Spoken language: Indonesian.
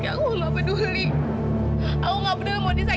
kalung itu gak boleh hilang